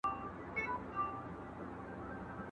که تعلیم لارښوونه وکړي، زده کوونکی نه سرګردانه کېږي.